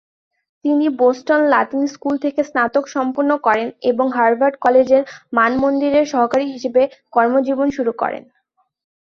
তিনি Boston Latin school থেকে স্নাতক সম্পন্ন করেন এবং হার্ভার্ড কলেজ মানমন্দিরের সহকারী হিসেবে কর্মজীবন শুরু করেন।